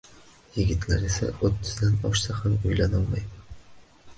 Yigitlar esa oʻttizdan oshsa ham uylanolmadi.